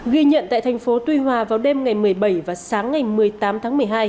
ghi nhận tại thành phố tuy hòa vào đêm ngày một mươi bảy và sáng ngày một mươi tám tháng một mươi hai